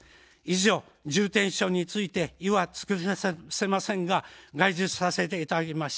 以上、重点主張について意を尽くせませんでしたが、概述させていただきました。